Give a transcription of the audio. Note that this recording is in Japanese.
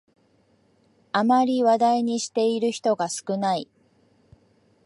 あまり話題にしている人が少ない